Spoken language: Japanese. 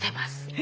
え！